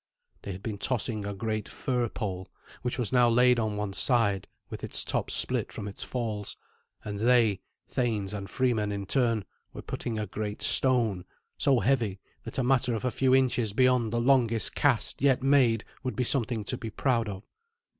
They had been tossing a great fir pole, which was now laid on one side, with its top split from its falls, and they, thanes and freemen in turn, were putting a great stone, so heavy that a matter of a few inches beyond the longest cast yet made would be something to be proud of.